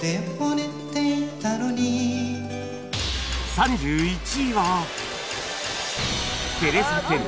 ３１位は